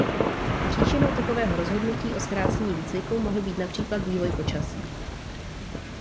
Příčinou takového rozhodnutí o zkrácení výcviku mohl být například vývoj počasí.